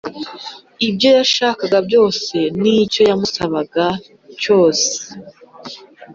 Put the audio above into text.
ibyo yashakaga byose n’icyo yamusabaga cyose